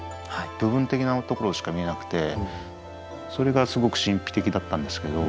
部分的なところしか見えなくてそれがすごく神秘的だったんですけど。